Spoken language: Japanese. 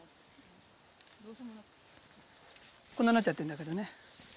こんななっちゃってんだけどね。